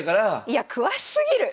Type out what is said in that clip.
いや詳しすぎる！